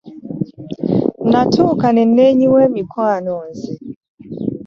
Natuuka ne nneenyiwa emikwano nze.